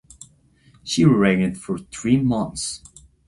She reigned for three months.